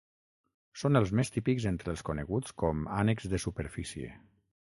Són els més típics entre els coneguts com ànecs de superfície.